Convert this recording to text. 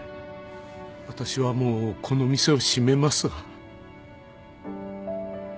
私はもうこの店を閉めますが。